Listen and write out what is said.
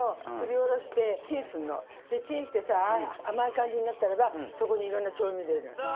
チンしてさ甘い感じになったらばそこにいろんな調味料入れる。